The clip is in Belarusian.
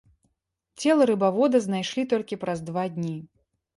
Цела рыбавода знайшлі толькі праз два дні.